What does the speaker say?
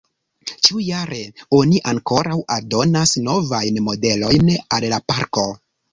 Ĉiujare oni ankoraŭ aldonas novajn modelojn al la parko.